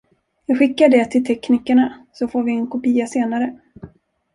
Jag skickar det till teknikerna så får vi en kopia senare.